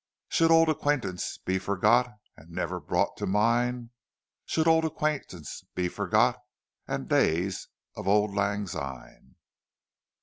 "Should auld acquaintance be forgot And never brought to min'? Should auld acquaintance be forgot And days o' lang syne?"